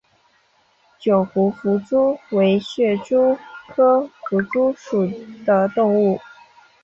九湖弗蛛为皿蛛科弗蛛属的动物。